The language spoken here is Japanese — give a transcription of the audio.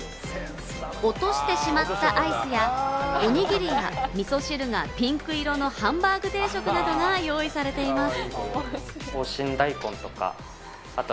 落としてしまったアイスやおにぎりや、みそ汁がピンク色のＨＡＮＢＡＧＵ定食などが用意されています。